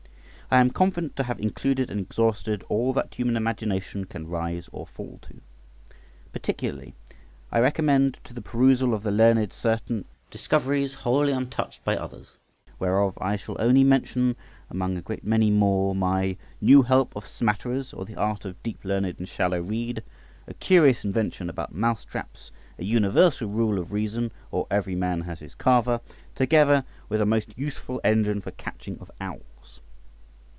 I am confident to have included and exhausted all that human imagination can rise or fall to. Particularly I recommend to the perusal of the learned certain discoveries that are wholly untouched by others, whereof I shall only mention, among a great many more, my "New Help of Smatterers, or the Art of being Deep Learned and Shallow Read," "A Curious Invention about Mouse traps," "A Universal Rule of Reason, or Every Man his own Carver," together with a most useful engine for catching of owls.